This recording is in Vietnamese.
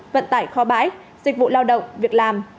vận tải kho bãi dịch vụ lao động việc làm